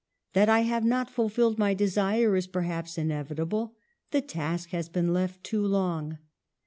That I have not fulfilled my desire is perhaps inevitable — the task has been left too long.